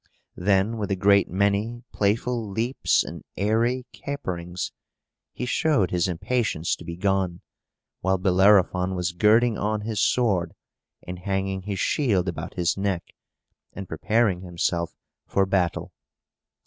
Then, with a great many playful leaps and airy caperings, he showed his impatience to be gone; while Bellerophon was girding on his sword, and hanging his shield about his neck, and preparing himself for battle.